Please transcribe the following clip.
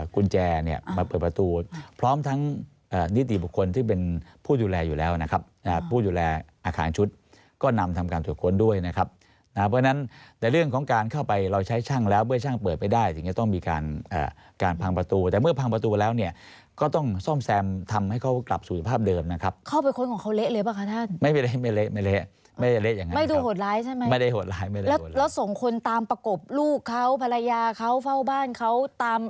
กุญแจเนี่ยมาเปิดประตูพร้อมทั้งนิติบุคคลที่เป็นผู้ดูแลอยู่แล้วนะครับผู้ดูแลอาหารชุดก็นำทำการตรวจค้นด้วยนะครับเพราะฉะนั้นแต่เรื่องของการเข้าไปเราใช้ช่างแล้วเมื่อช่างเปิดไปได้ถึงจะต้องมีการการพังประตูแต่เมื่อพังประตูแล้วเนี่ยก็ต้องส้มแซมทำให้เขากลับสุขภาพเดิมนะครับเข้าไปค้นของเขาเละเลยป่ะคะ